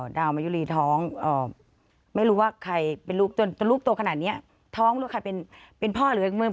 ดาวมายุรีท้องไม่รู้ว่าใครเป็นลูกจนลูกโตขนาดนี้ท้องหรือใครเป็นพ่อหรือเมือง